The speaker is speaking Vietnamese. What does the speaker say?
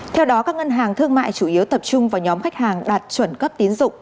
theo đó các ngân hàng thương mại chủ yếu tập trung vào nhóm khách hàng đạt chuẩn cấp tiến dụng